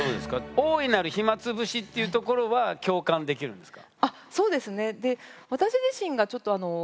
大いなる暇つぶしっていうところは共感できるんですか？